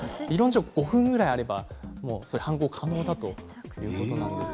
５分ぐらいあれば犯行可能だということです